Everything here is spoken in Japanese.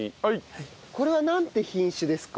これはなんて品種ですか？